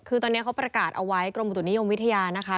คือตอนนี้เขาประกาศเอาไว้กรมอุตุนิยมวิทยานะคะ